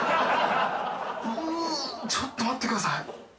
うわちょっと待ってください。